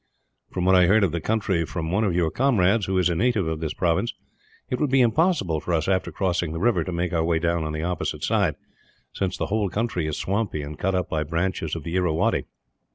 "From what I heard of the country from one of your comrades, who is a native of this province, it would be impossible for us, after crossing the river, to make our way down on the opposite side, since the whole country is swampy and cut up by branches of the Irrawaddy.